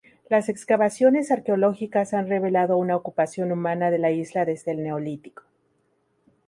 Las excavaciones arqueológicas han revelado una ocupación humana de la isla desde el Neolítico.